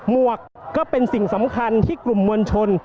หวกก็เป็นสิ่งสำคัญที่กลุ่มมวลชน